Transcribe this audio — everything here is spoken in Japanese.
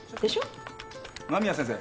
間宮先生。